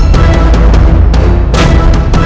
jahat dewa batahmu